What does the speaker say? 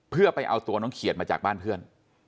เพื่อไปเอาตัวน้องเขียดมาจากบ้านเพื่อน